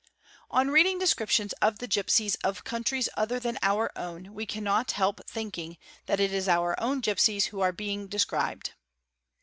On reading descriptions of the gipsies of countries other than our own we can ~ not help thinking that it is our own gipsies who are being described.